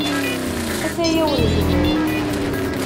Ataya unebdu.